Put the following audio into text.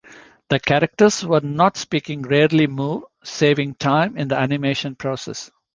The characters who are not speaking rarely move, saving time in the animation process.